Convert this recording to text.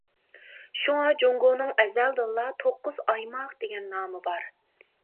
شۇڭا جۇڭگونىڭ ئەزەلدىنلا توققۇز ئايماق دېگەن نامى بار.